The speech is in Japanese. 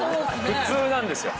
普通なんですよ。